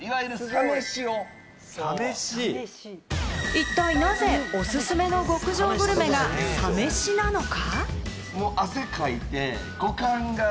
一体なぜ、おすすめの極上グルメがサ飯なのか？